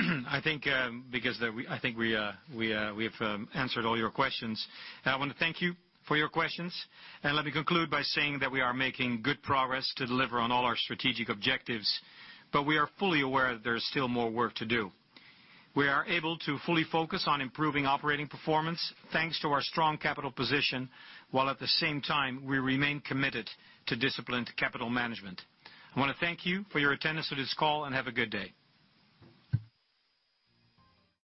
I think we have answered all your questions. I want to thank you for your questions. Let me conclude by saying that we are making good progress to deliver on all our strategic objectives, but we are fully aware there is still more work to do. We are able to fully focus on improving operating performance, thanks to our strong capital position, while at the same time we remain committed to disciplined capital management. I want to thank you for your attendance to this call, and have a good day.